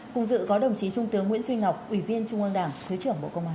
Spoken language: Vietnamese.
cùng dự có đồng chí trung tướng nguyễn duy ngọc ủy viên trung ương đảng thứ trưởng bộ công an